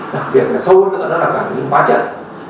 đặc biệt là sâu hướng nữa là quản lý bá trận